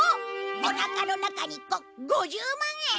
おなかの中に５５０万円！？